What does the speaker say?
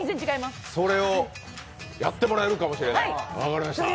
それをやってもらえるかもしれないと。